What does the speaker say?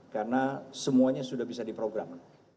karena semuanya sudah bisa diprogram